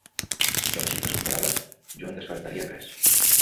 De les xifres comparades, jo en destacaria tres.